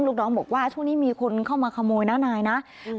ลูกน้องบอกว่าช่วงนี้มีคนเข้ามาขโมยนะนายนะอืม